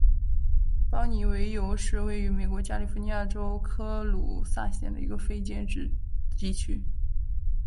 邦妮维尤是位于美国加利福尼亚州科卢萨县的一个非建制地区。